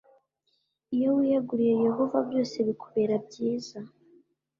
Iyo wiyeguriye Yehova byose bikubera byiza.